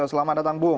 selamat datang bung